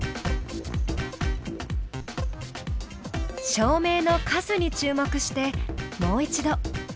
照明の数に注目してもう一度。